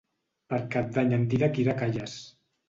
Per Cap d'Any en Dídac irà a Calles.